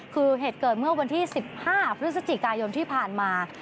คือเหตุเกิดเมื่อวันที่๑๕พฤศจิกายนที่ผ่านมา